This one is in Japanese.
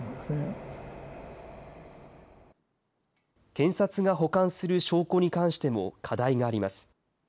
検察が保管する証拠に関しても課題があります。